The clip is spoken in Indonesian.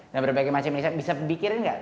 dan berbagai macam bisa berpikirin gak